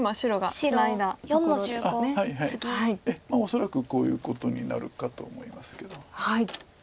恐らくこういうことになるかと思いますけど。